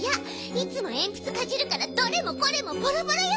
いつもえんぴつかじるからどれもこれもボロボロよ！